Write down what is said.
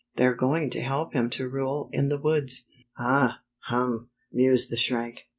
They're going to help him to rule in the woods." " Ah! Hum! " mused the Shrike.